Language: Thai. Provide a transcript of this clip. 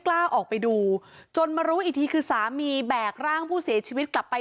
กล้าออกไปดูจนมารู้อีกทีคือสามีแบกร่างผู้เสียชีวิตกลับไป